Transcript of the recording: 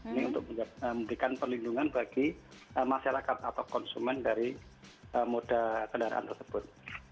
ini untuk memberikan perlindungan bagi masyarakat atau konsumen dari moda kendaraan tersebut